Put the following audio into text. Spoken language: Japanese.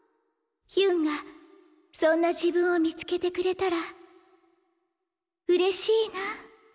ヒュンがそんな自分を見つけてくれたらうれしいな。